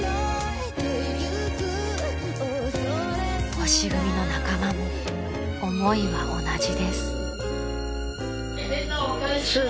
［星組の仲間も思いは同じです］